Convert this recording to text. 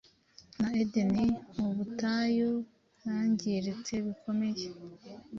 Na Edeni mubutayu bwangirite bikomeye